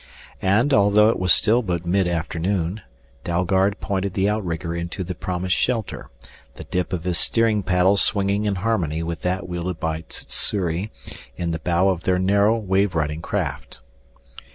And, although it was still but midafternoon, Dalgard pointed the outrigger into the promised shelter, the dip of his steering paddle swinging in harmony with that wielded by Sssuri in the bow of their narrow, wave riding craft.